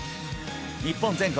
日本全国